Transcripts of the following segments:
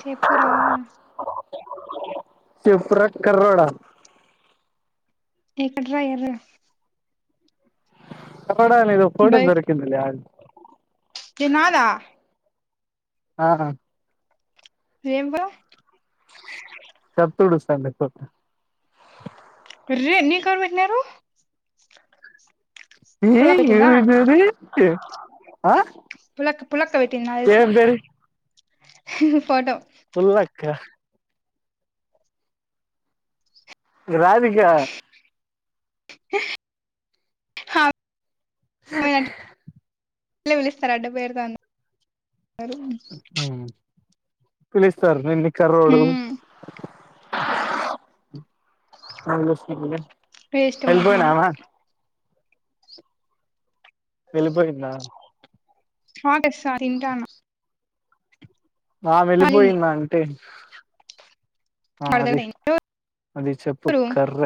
చెప్పురా. చెపురా కర్రోడా. ఎక్కడ్రా ఎర్రగా. కప్పడడా ఇ ఫోటోస్ దొరికిందిలె ఆగు దినాలా. ఆహ ఏంబ. చేతుడుస్తా కొ. రే నీకెవరు పెట్టినారు. ఏ పుల్లక్క పెట్టిందా ఇవరు ఇరి ఆ. పులక పులక పేటినదినాకు తెలుసు ఏం పేరు లె ఫోటో. పుల్లక్క. రాది గా [unintelligible] ఇట్లా పిలుస్తారు అటా పేరు దాన్ని పిలుస్తారు ఇని కర్రోడు. ఉమ్ వేస్ట్ మొహం ఎల్పోయినద ఆమె వేళ్ళిపోయింద. అగండి సర్ తింటానా. ఆ వెళ్ళిపోయింద అంటే. ఆ అది అర్ధగంట అయింది అది చెప్పు ఎవరు కర్ర.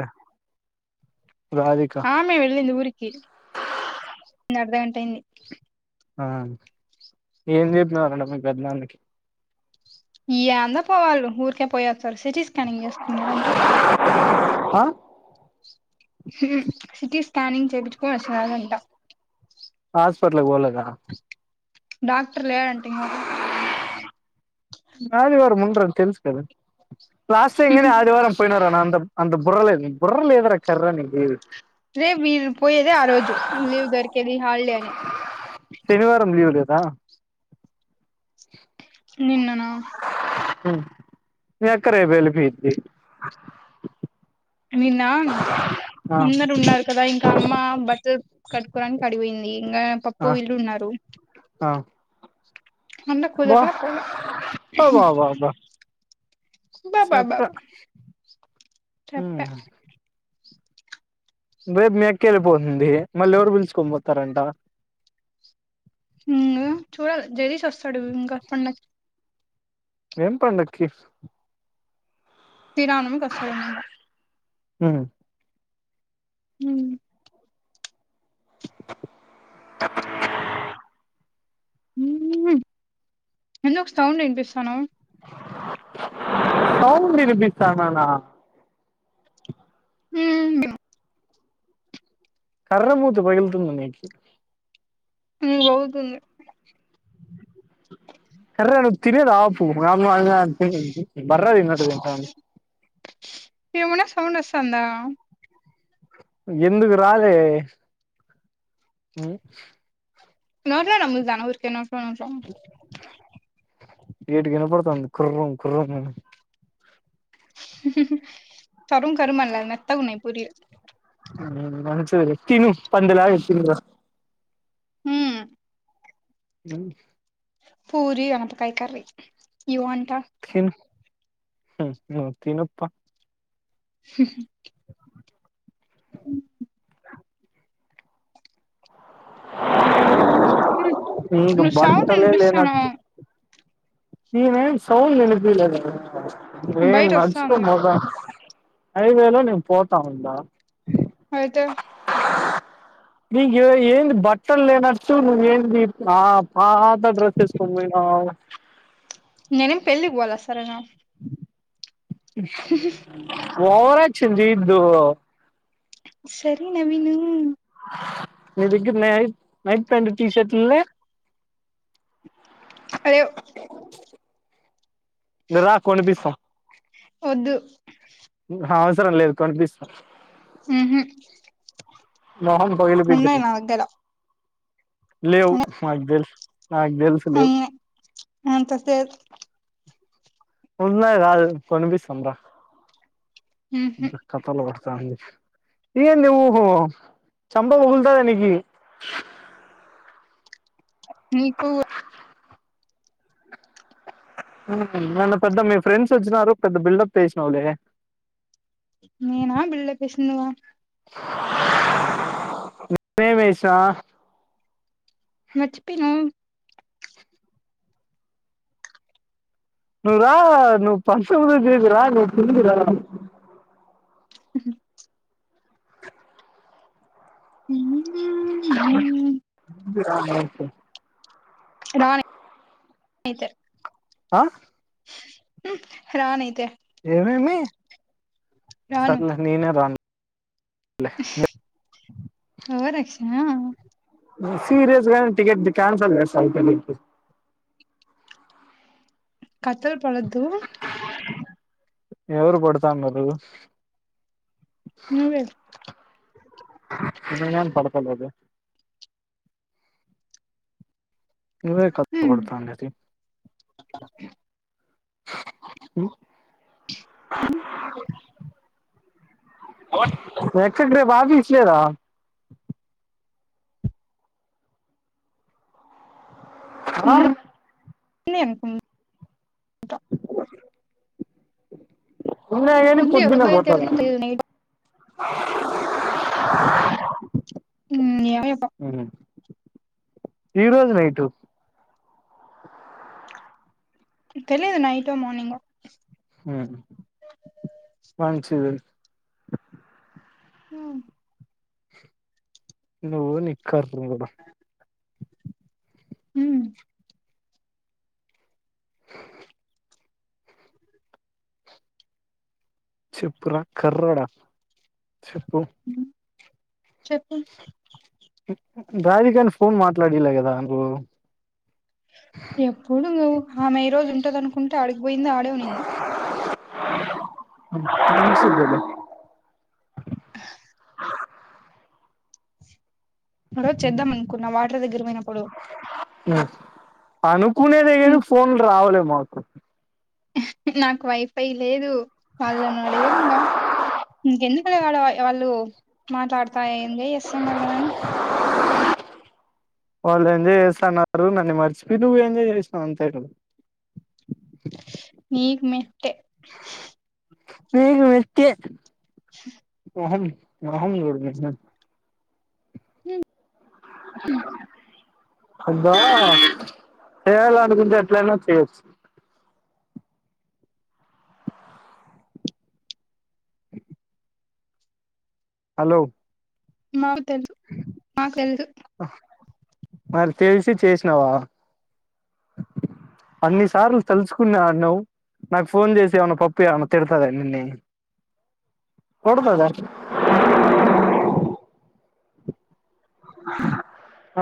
రాధిక ఆ మెము వెళ్లింది ఊరికి అర్ధగంట అయింది. ఆ ఏం చెప్పినావరా మీ పెద్దనాన్నకి. ఇ అంత పోవాలు ఊరికే పోయస్తారు సిటీ స్కానింగ్ చేసుకున్నారు అంతే. అ మ్ సిటీ స్కనింగ్ చేపిచ్చు హాస్పిటలకి బోలేదా. డాక్టర్ లేడంటే ఈమె పోతే ఆదివారం ఉండని తెలుసు కదా లాస్ట్ ఇ ఆయన ఆదివారం పోయినార అందం. అంత బుర్రల్ద బుర్రలేదు రా కర్ర నీకు రే మీరు పోయేది ఆ రోజు లీవ్ దొరికేది హాలిడే అని. దా నిన్ననా. మ్ మీ అక్క రేపు వెళ్లి పోయేది నిన్నఅ అందరు ఉన్నారు కదా ఇంకా అమ్మ బట్టలు కట్టుకోవడానికి అడిపోయింది ఇంగా ఆ పప్పు వీళ్ళు ఉన్నారు ఉ ఆ అన్న బా కూదర్ లె పోలె అబ్బబ్బబ్బా బబా చెప్పా బాబా చెప్పె రేపు మీ అక్కెళ్ళిపోతుంది మళ్ళ ఎవరు పిలుచుకొని పోతారంట. ఇంగా చూడాలి జగదీష్ వస్తడు ఇంగా పండగ ఏం పండక్కి శ్రీరామ నవమికి అస్తడేమో ఇంగా. హ్ హ్ ఎందుకు సౌండే వినిపిస్తానవు. సౌండ్ వినిపిస్తాన్నానా. హ్ గా కర్రె మూతి పగులుతుంది నీకు. నీకు పగులుతుంది. కర్రె నువ్వు తినేది ఆపు. ఆమ్ ఆ ఆ [inaudible] బర్రె తిన్నట్టు తింటాంది. ఏమన్నా సౌండ్ అస్తాందా. ఎందుకు రాదే హ్ నోట్లా నమ్ములుతన్నా ఊరికేనా ఈటికి వినపడుతుంది కుర్రం కుర్రం కరుం కరుం అనిలే మొత్తగా ఉన్నయి పూరీలు. మంచిది తిను పందిలాగా తిను ఇగా. హ్ నైస్ పూరి అనపకాయ కర్రీ యు వాంట్ తిను హ్ నువ్వు తిను ప హుహ్ ఎందుకు నువ్వు సౌండ్ బట్టలే వినిపిస్తాను లేనట్టు నీవేం సౌండ్ వినిపియలేదా, నేన్ బయట వస్తాంది నడుచుకొని పోతాన్నా. హైవేలో నేను పోతాఉన్నా ఐతే నీకు ఎ ఏంది బట్టలు లేనట్టు నువ్వు ఏంది ఆ పాత డ్రెస్సెసుకొని పోయినావు. అవునా నేనేం పెళ్లికి పోలేదు సరేనా. ఓవరాక్షన్ చేయొద్దు. సరే నవీను. నీ దగ్గర నై నైట్ ప్యాంట్ టీషర్ట్లులే అ లేవు. ఇంగా రా కొనిపిస్తాం. వొద్దు. అవసరంలేదు కొనిపిస్తా. ఉహు మొహం ఉన్నాయి పగిలిపోయిద్దని. నా దగ్గర లేవు మాకు తెలుసు, నాకు తెలుసులేవు. ఉన్నాయి అంతసేపు ఉన్నయి కాదు కొనిపిస్తం రా. ఉహు ఇంత కతలు పడ్తాన్ది. ఏంది ఓహో చంప పగుల్తాది నీకి. మీకు హుహ్ మొన్న పెద్ద మీ ఫ్రెండ్స్ వచ్చినారు పెద్ద బిల్డప్ చేసినావులే. నేనా బిల్డప్ ఇచ్చింది నువ్వా. నేనేం వేసా మచ్చిపిన నువు రా నువ్వు పసముద చేదురా నువ్ తిందు రా మ్ తిందు రా [unintelligible] రానైతే ఆ రానైతే ఏమేమి రాను సర్లే నేనే రాను ఓవరాక్షన్ ఆ నేన్ సీరియస్గానే టికెట్ ది క్యాన్సల్ చేస్తా అయితే నేకు కత్తల్ పడద్ధు ఎవరు పడతండేది నువ్వే నిన్న కాని పడతా లేదే నువ్వే కత్ లు పడ్తండేది ను ఎక్సెట్రీ బా తీయొచ్చు కదా క్రాన్ [unintelligible] జ ఉన్నా కానీ ఉంది ఎప్పుడు పొద్దున్నే పోతాడంట బయలుదేరిందో తెలీదు ఉమ్ ఎం ఆ అప్ప ఈ రోజు నైటు తెలీదు నైటో మార్నింగో ఉమ్ మంచిది ఉమ్ నువ్వు నీ కర్రి మూడ ఉమ్ చెప్పు రా కర్రోడ చెప్పు చెప్పు రాధికని ఫోన్ మాట్లాడీలా కదా నువు ఎప్పుడు నువ్వు ఆమె ఈ రోజు ఉంటది అనుకుంటే ఆడిగిపోయింది ఆడే ఉనింది నాకు [unintelligible] మరోజు చేద్దాం అనుకున్న వాటర్ దగ్గర పోయినప్పుడు అనుకునేదే గాని ఉమ్ ఫోన్లు రావలే మాకు నాకు వైఫై లేదు వాళ్ళను అడగలి ఇంకా ఇంకెందుకు ఇప్పుడే ఆడ వాళ్ళు మాట్లాడుతాయి ఏందో ఇస్తున్నారు కదా అని [unintelligible] వాళ్ళు ఎంజాయ్ చేస్తన్నారు నన్ను మర్చిపోయి నువ్వు ఎంజాయ్ చేసినావు అంతే కదా నీకు మెట్టే నీకు మెట్టే మోహం మోహం చూడు మీ ఇద్దర్ [inaudible] అదా చేయాలనుకుంటే ఎట్లయినా చేయొచ్చు [inaudible] హలో మాకు తెలుసు మాకు తెలు మరి తెలిసి చేసినావా అన్ని సార్లు తలుసుకున్నా అన్నావ్ నాకు ఫోన్ చేసి ఏమన్నా పప్పీ ఏమన్నా తిడతద నిన్నీ కొడదదా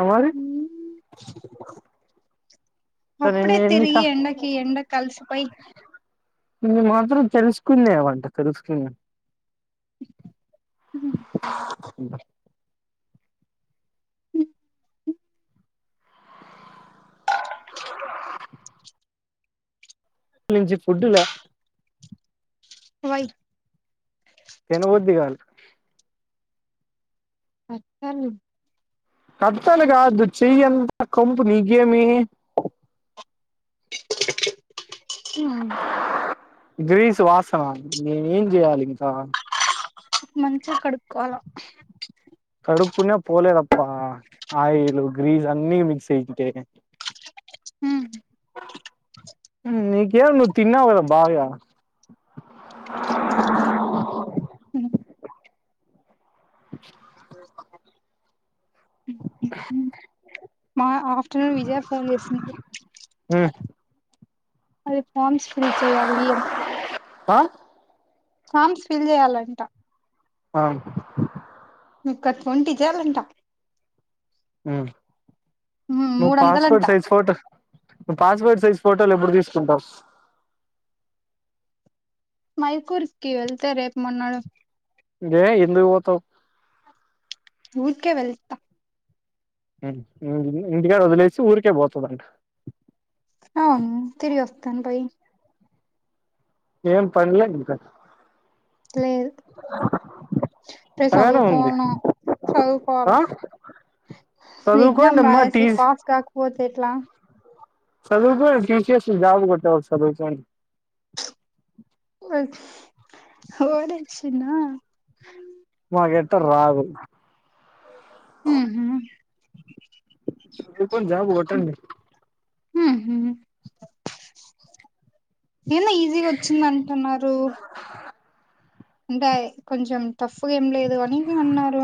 అవరి అప్పుడే తిరిగి ఎండకి ఎండకీ అలిసిపోయి నేను మాత్రం తెలుసుకున్నా ఏమంట తెలుసుకున్నా హ్మ్ కేజీ ఫుడువే ఓయ్ తినబుద్ధి కాదు అక్కలే కట్తాలగా కాదు చెయ్యి అంత కొంపు నీ గేమి ఆ గ్రీస్ వాసన నేను ఏం చేయ్యాలి ఇంకా మంచిగా కడుకోవాలా కడుకున్న పోలేదప్ప ఆయిల్ గ్రీస్ అన్ని మిక్స్ అయిట్ట హ్మ్మ్ నీకేం నువ్ తిన్నావ్ గ బాగా హ్మ్ [inaudible] [unintelligible] [inaudible] మా హాస్టల్ విజయ ఫోన్ చేసింది హ్మ్ అది ఫార్మ్స్ ఫిల్ చెయాలి అని ఆ ఫార్మ్స్ ఫీల్ చేయాలంట అ ఇంకా త్వోంటీ చేయాలంటే నువ్ మూడు వందలంట పాస్వర్ట్ సైజ్ ఫోటో ను పాస్వర్ట్ సైజ్ ఫోటోలు ఎప్పుడు తీసుకుంటావు మైకూర్కి వెళ్తే రేపు మొన్నడు ఏ ఎందుకుపోతావ్ ఉరికే వెళ్తా ఇంటికడ వదిలేసి ఊరికే పోతుందంట అవును తిరిగి వస్తాను పోయి ఏం పన్లేకా లేదు రే అలానే ఉంది చదువుకోవాలన చదువుకోవాల ఆ ఎక్సమ్ చదువుకోండి అమ్మా టీ రాసి పాస్ కాకపోతే ఎట్లా సదువుకు తీసేసి జాబ్ కొట్ట చదువుకోని ఒడిచిన మకైతే రావు ఉహు జాబ్ కొడతావేమి హ హ ఎంలే ఈజీగా వచ్చింది అంటున్నారు అంటే కొంచెం టాఫ్ ఏం లేదు అని అన్నారు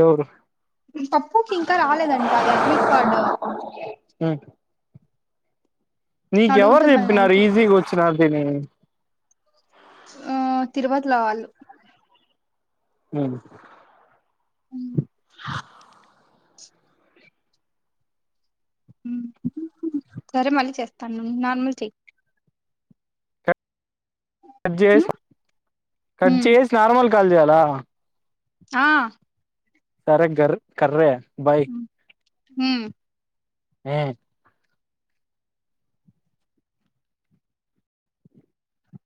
ఎవురు పప్పుకి ఇంక రాలేదంట అది అడ్మిట్ కార్డు ఉమ్. నీకెవరు అడుగుతా మళ్ళీ చెప్పినారు నైట్ ఈజీగా వచ్చినాదని అ తిరుపతిలోవాళ్ళు హ్మ్మ్ ఉమ్, సరే మళ్ళీ చేస్తాను నార్మల్ చెయ్ కట్ చేసి కట్ చేసి నార్మల్ కాల్ చేయలా ఆ సరే గర్ క రే బాయ్ ఉమ్, ఉమ్.